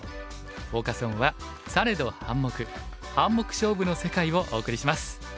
フォーカス・オンは「されど『半目』『半目』勝負の世界」をお送りします。